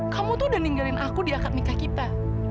kamu tuh udah ninggalin aku di akad nikah kita